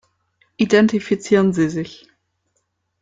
Identifizieren Sie sich.